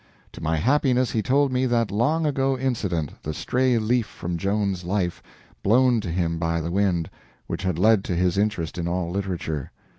To my happiness, he told me that long ago incident the stray leaf from Joan's life, blown to him by the wind which had led to his interest in all literature.